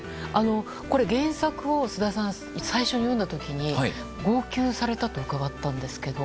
これ、原作を菅田さん最初に読んだ時に号泣されたと伺ったんですけど。